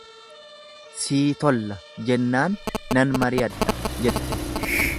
Sii tolla jennaan nan mari'adha jette.